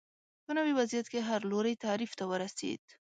په نوي وضعیت کې هر لوری تعریف ته ورسېد